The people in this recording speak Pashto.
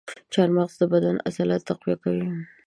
چارمغز د بدن عضلات تقویه کوي.